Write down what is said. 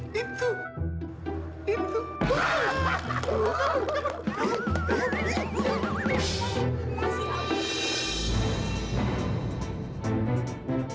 kau tidak nampak